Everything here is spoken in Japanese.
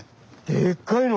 でっかいの！